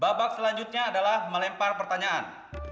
bak bak selanjutnya adalah melempar pertanyaan